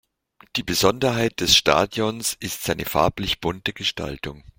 Die Besonderheit des Stadions ist seine farblich bunte Gestaltung.